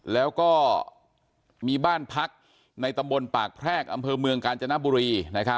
แล้วก็มีบ้านพักในตำบลปากแพรกอำเภอเมืองกาญจนบุรี